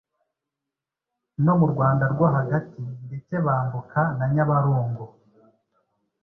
no mu Rwanda rwo Hagati ndetse bambuka na Nyabarongo